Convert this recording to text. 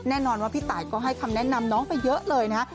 แน่นอนว่าพี่ตายก็ให้คำแนะนำน้องไปเยอะเลยนะฮะ